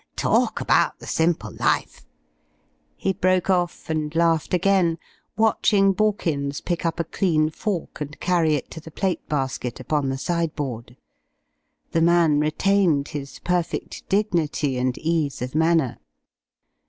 Talk about the simple life " He broke off and laughed again, watching Borkins pick up a clean fork and carry it to the plate basket upon the sideboard. The man retained his perfect dignity and ease of manner.